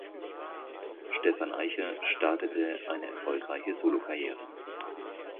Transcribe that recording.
Stephan Eicher startete eine erfolgreiche Solokarriere.